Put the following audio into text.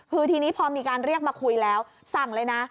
คือทีนี้พอมีการเรียกมาคุยแล้วสั่งเลยนะ